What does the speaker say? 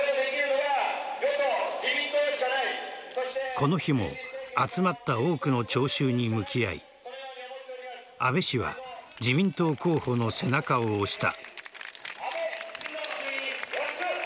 この日も集まった多くの聴衆に向き合い安倍氏は自民党候補の背中を押した。